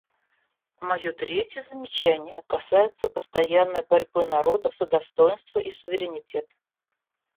Мое третье замечание касается постоянной борьбы народов за достоинство и суверенитет.